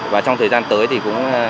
và trong thời gian tới thì cũng